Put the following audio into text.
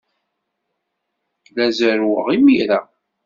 La zerrweɣ imir-a.